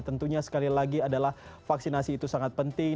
tentunya sekali lagi adalah vaksinasi itu sangat penting